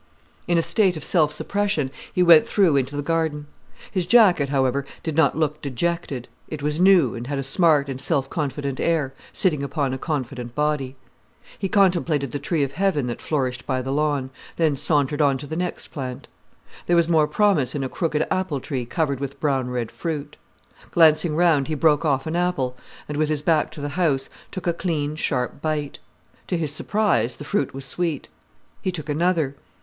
In a state of self suppression, he went through into the garden. His jacket, however, did not look dejected. It was new, and had a smart and self confident air, sitting upon a confident body. He contemplated the Tree of Heaven that flourished by the lawn, then sauntered on to the next plant. There was more promise in a crooked apple tree covered with brown red fruit. Glancing round, he broke off an apple and, with his back to the house, took a clean, sharp bite. To his surprise the fruit was sweet. He took another.